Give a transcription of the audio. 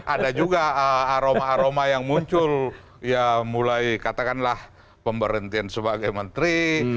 ada juga aroma aroma yang muncul ya mulai katakanlah pemberhentian sebagai menteri